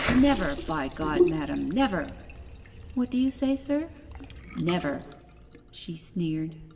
'Never, by God, madam! never!' 'What do you say, sir?' 'Never.' She sneered.